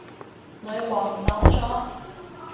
女皇走咗